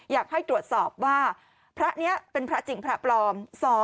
อยากให้ตรวจสอบว่าพระนี้เป็นพระจริงพระปลอม